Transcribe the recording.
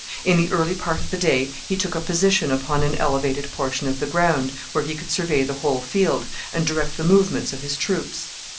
In the early part of the day he took a position upon an elevated portion of the ground, where he could survey the whole field, and direct the movements of his troops.